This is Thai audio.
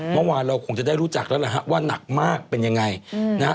เมื่อวานเราคงจะได้รู้จักแล้วล่ะฮะว่านักมากเป็นยังไงนะฮะ